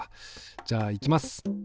じゃあいきます。